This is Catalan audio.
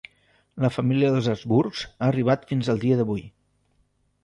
La família dels Habsburg ha arribat fins al dia d'avui.